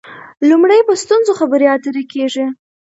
لومړی په ستونزو خبرې اترې کېږي.